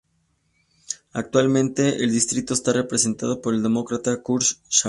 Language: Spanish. Actualmente el distrito está representado por el Demócrata Kurt Schrader.